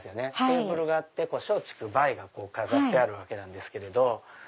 テーブルがあって松竹梅が飾ってあるわけなんですけど。